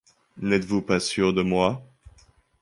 N’êtes-vous pas sûr de moi?